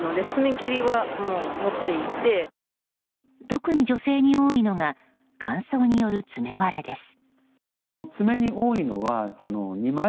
特に女性に多いのが乾燥による爪割れです。